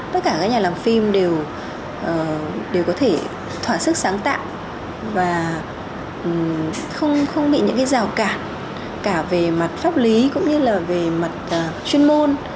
tất cả các nhà làm phim đều có thể thỏa sức sáng tạo và không bị những rào cản cả về mặt pháp lý cũng như là về mặt chuyên môn